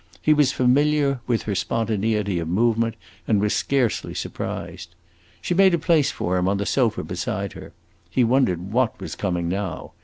He was familiar with her spontaneity of movement, and was scarcely surprised. She made a place for him on the sofa beside her; he wondered what was coming now.